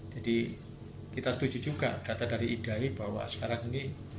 jadi kita setuju juga data dari idari bahwa sekarang ini